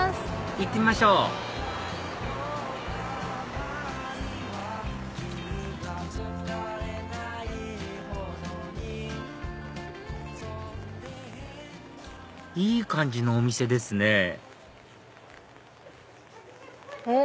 行ってみましょういい感じのお店ですねおっ。